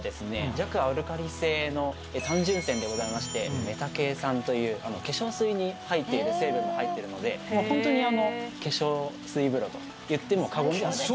弱アルカリ性の単純泉でございましてメタケイ酸という化粧水に入っている成分が入ってるのでほんとにあの化粧水風呂と言っても過言ではない。